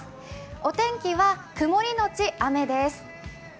お天気は曇り後雨です。